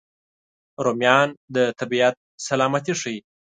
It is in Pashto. رومیان د طبیعت سلامتي ښيي